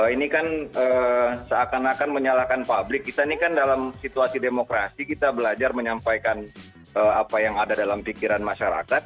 ini kan seakan akan menyalahkan publik kita ini kan dalam situasi demokrasi kita belajar menyampaikan apa yang ada dalam pikiran masyarakat